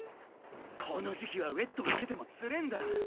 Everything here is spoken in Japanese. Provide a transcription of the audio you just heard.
この時期はウェット着ててもつれえんだ。